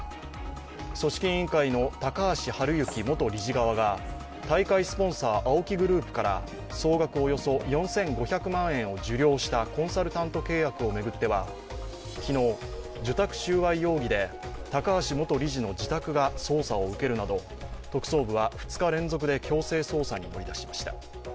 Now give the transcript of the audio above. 組織委員会の高橋治之元理事側が大会スポンサー、ＡＯＫＩグループから総額およそ４５００万円を受領したコンサルタント契約を巡っては、昨日、受託収賄容疑で高橋元理事の自宅が捜査を受けるなど特捜部は２日連続で強制捜査に乗り出しました。